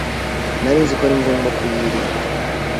Nari nziko ari ngombwa kuyirinda.